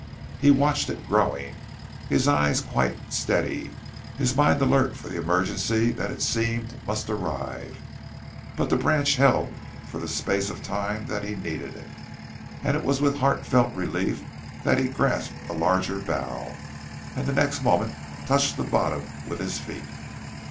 He watched it growing, his eyes quite steady, his mind alert for the emergency that it seemed must arrive, but the branch held for the space of time that he needed it; and it was with heartfelt relief that he grasped a larger bough, and the next moment touched bottom with his feet.